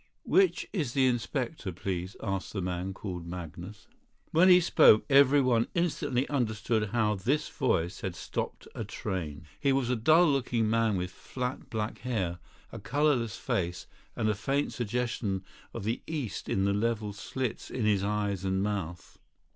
"Which is the inspector, please?" asked the man called Magnus. When he spoke everyone instantly understood how this voice had stopped a train. He was a dull looking man with flat black hair, a colourless face, and a faint suggestion of the East in the level slits in his eyes and mouth.